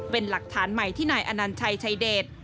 เป็นหลักฐานใหม่ที่ไหนอนันไชร์ชัยเดช